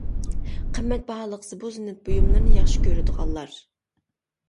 قىممەت باھالىق زىبۇ-زىننەت بۇيۇملىرىنى ياخشى كۆرىدىغانلار.